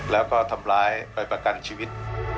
แล้วก็ทำร้ายไปประกันชีวิต